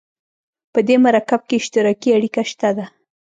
په دې مرکب کې اشتراکي اړیکه شته ده.